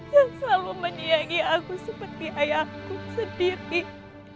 yang selalu meniangi aku seperti ayahku sedikit